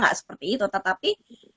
gak seperti itu tetapi